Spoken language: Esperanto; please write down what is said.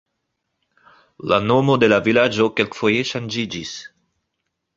La nomo de vilaĝo kelkfoje ŝanĝiĝis.